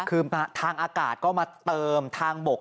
คือทางอากาศก็มาเติมทางบก